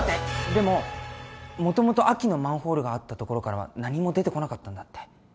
でももともと秋のマンホールがあったところからは何も出てこなかったんだって。